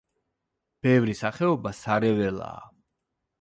ბევრი სახეობა სარეველაა.